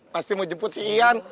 pasti mau jemput si ian